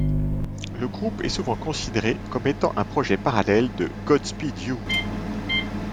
Le groupe est souvent considéré comme étant un projet parallèle de Godspeed You!